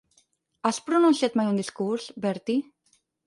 Has pronunciat mai un discurs, Bertie?